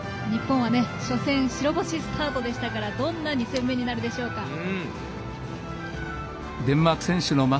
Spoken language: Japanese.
日本は初戦白星スタートでしたからどんな２戦目になるでしょうか。